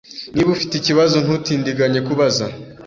Niba ufite ikibazo, ntutindiganye kubaza.